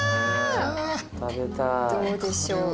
どうでしょう？